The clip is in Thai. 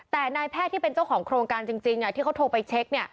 แต่นายแพทย์ที่เป็นเจ้าของโครงการจริงที่เขาโทรไปเช็ค